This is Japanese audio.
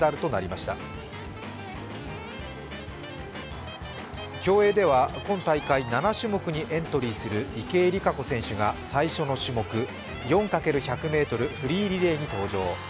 そして競泳では今大会７種目にエントリーする池江璃花子選手が最初の種目４×１００ｍフリーリレーに登場。